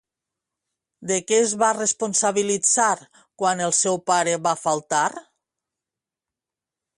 De què es va responsabilitzar quan el seu pare va faltar?